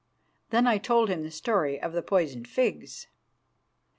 Then I told him the story of the poisoned figs.